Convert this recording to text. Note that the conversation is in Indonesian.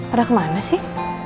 ada kemana sih